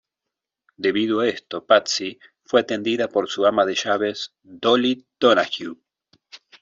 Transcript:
Debido a esto, Patsy fue atendida por su ama de llaves Dolly Donahue.